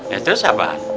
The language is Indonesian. ya terus apaan